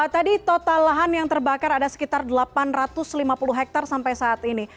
tadi total lahan yang terbakar ada sekitar delapan ratus lima puluh hektare sampai saat ini